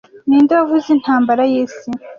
Ninde wavuze Intambara y'isi